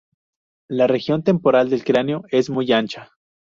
La región temporal del cráneo es muy ancha.